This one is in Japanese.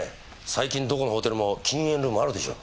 最近どこのホテルも禁煙ルームあるでしょ。